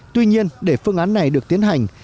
tuy nhiên để phương án này được tiến hành